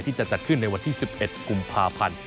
จะจัดขึ้นในวันที่๑๑กุมภาพันธ์